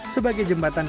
sebagai jembatan kreatif